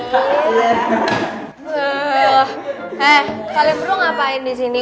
heeh kalian buru ngapain disini